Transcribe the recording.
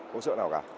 hỗ trợ nào cả